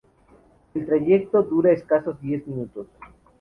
El trayecto dura escasos diez minutos.